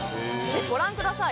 ご覧ください。